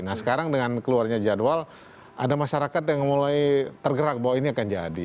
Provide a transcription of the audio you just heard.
nah sekarang dengan keluarnya jadwal ada masyarakat yang mulai tergerak bahwa ini akan jadi